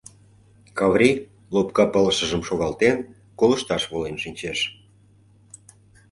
— Каври лопка пылышыжым шогалтен колышташ волен шинчеш.